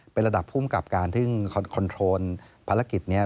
เป็นระดับภูมิกับการซึ่งคอนโทรลภารกิจนี้